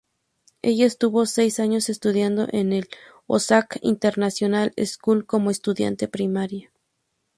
Ella estuvo seis años estudiando en la Osaka Internacional School como estudiante primaria.